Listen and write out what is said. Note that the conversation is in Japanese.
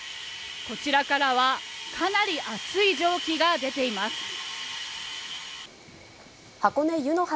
こちらからはかなり熱い蒸気が出箱根湯の花